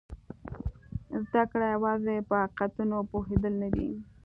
زده کړه یوازې په حقیقتونو پوهېدل نه دي.